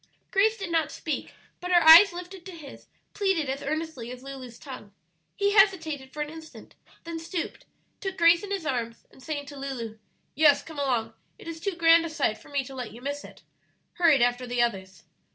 Grace did not speak, but her eyes lifted to his, pleaded as earnestly as Lulu's tongue. He hesitated for an instant, then stooped, took Grace in his arms, and saying to Lulu, "Yes, come along; it is too grand a sight for me to let you miss it," hurried after the others.